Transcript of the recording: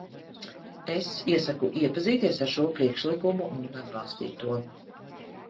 Es iesaku iepazīties ar šo priekšlikumu un atbalstīt to.